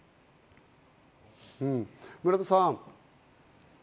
村田さん